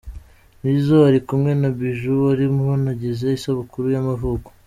Nizzo ari kumwe na Bijoux wari wanagize isabukuru y’amavuko.